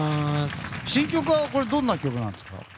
新曲はどんな曲なんですか？